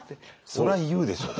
そりゃ言うでしょ。